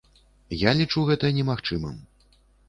Я лічу гэта немагчымым.